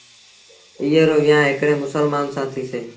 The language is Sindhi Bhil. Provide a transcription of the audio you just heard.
ايئي رو ويهآݩ هڪڙي مسلمآݩ سآݩ ٿيٚسيٚ۔